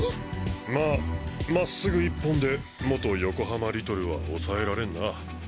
まあまっすぐ一本で元横浜リトルはおさえられんな。